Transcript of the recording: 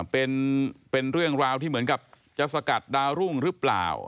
เป็นเรื่องราวที่เหมือนกับจะสกัดดาวรุ่งหรือเปล่า